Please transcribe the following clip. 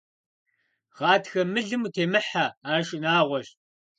Гъатхэ мылым утемыхьэ, ар шынагъуэщ.